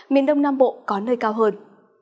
miền đông nam bộ có nơi cao hơn